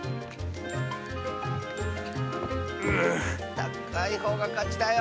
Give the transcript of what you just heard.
たかいほうがかちだよ！